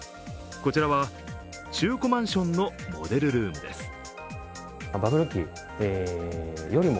こちらは、中古マンションのモデルルームです。